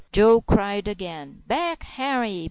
Joe cried again, "Back, Henri!